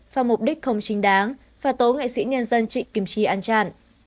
vào mục đích không chính đáng và tố nghệ sĩ nhân dân trịnh kim chi an tràn